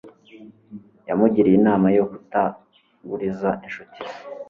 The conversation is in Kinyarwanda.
yamugiriye inama yo kutaguriza inshuti ze